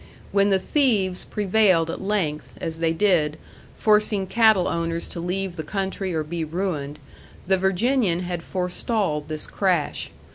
When the thieves prevailed at length, as they did, forcing cattle owners to leave the country or be ruined, the Virginian had forestalled this crash.